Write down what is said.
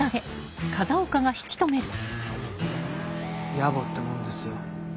やぼってもんですよ。